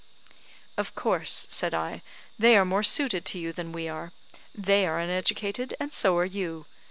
"Of course," said I, "they are more suited to you than we are; they are uneducated, and so are you.